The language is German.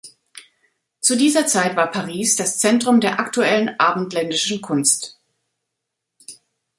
Zu dieser Zeit war Paris das Zentrum der aktuellen abendländischen Kunst.